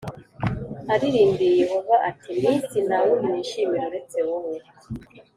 Aririmbiye Yehova ati mu isi nta wundi nishimira uretse wowe